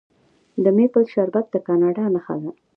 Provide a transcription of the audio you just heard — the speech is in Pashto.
د میپل شربت د کاناډا نښه ده.